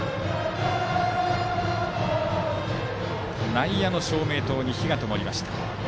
内野の照明塔に灯がともりました。